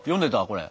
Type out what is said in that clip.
これ。